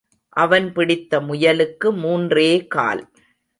அவன் பிடித்த முயலுக்கு மூன்றே கால்.